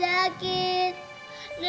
nenek nongket gak mau